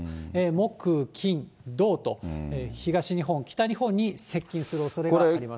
木、金、土と、東日本、北日本に接近するおそれがあります。